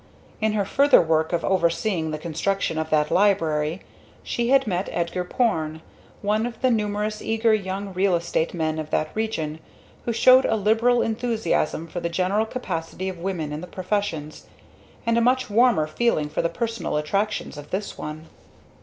In her further work of overseeing the construction of that library, she had met Edgar Porne, one of the numerous eager young real estate men of that region, who showed a liberal enthusiasm for the general capacity of women in the professions, and a much warmer feeling for the personal attractions of this one.